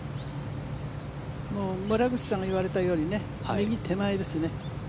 村口さんが言われたように右手前ですね。